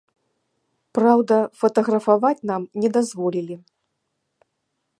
Праўда, фатаграфаваць нам не дазволілі.